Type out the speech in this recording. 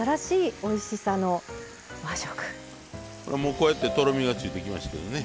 こうやってとろみがついてきましたけどね。